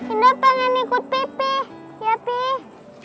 indah pengen ikut pimpin ya pi